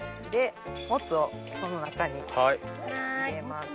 モツをこの中に入れます。